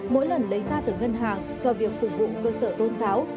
mỗi lần lấy ra từ ngân hàng cho việc phục vụ cơ sở tôn giáo